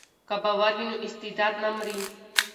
که باور وي نو استعداد نه مري.